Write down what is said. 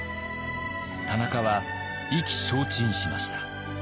田中は意気消沈しました。